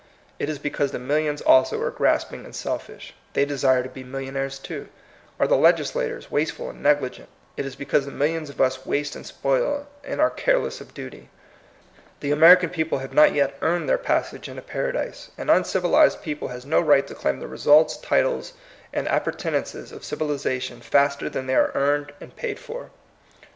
It is because the millions also are grasping and selfish; they desire to be millionnaires too. Are the legislators wasteful and negligent? It is because the millions of us waste and spoil, and are careless of duty. The Ameri can people have not yet earned their pas sage into paradise. An uncivilized people has no right to claim the results, titles, and appurtenances of civilization faster than they are earned and paid for.